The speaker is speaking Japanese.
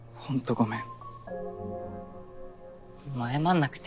ごめん。